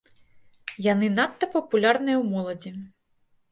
Яны надта папулярныя ў моладзі.